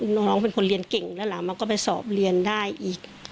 น้องเป็นคนเรียนเก่งแล้วหลานมาก็ไปสอบเรียนได้อีก